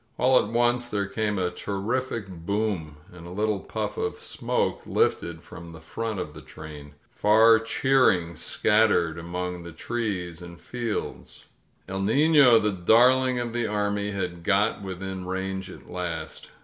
All at once there came a terrific boom, and a little puff of smoke lifted from the front of the train. Far cheer ing scattered among the trees and fields. ^^1 Nino," the darling of the army, had got within range at last.